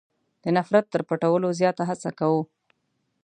د نفرت تر پټولو زیاته هڅه کوو.